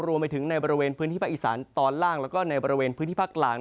รวมไปถึงในบริเวณพื้นที่ภาคอีสานตอนล่างแล้วก็ในบริเวณพื้นที่ภาคกลาง